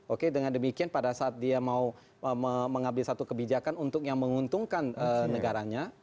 oke dengan demikian pada saat dia mau mengambil satu kebijakan untuk yang menguntungkan negaranya